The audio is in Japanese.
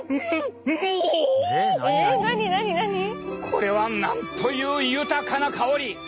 これはなんという豊かな香り！